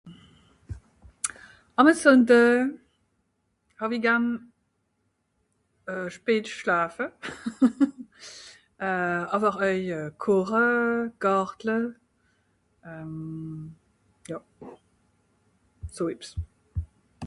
Àme Sùnndoe hàw-i garn... euh... spät Schlafe... hahaha... euh... àwer oei euh... koche, Gàrtle... ja. so ebbs.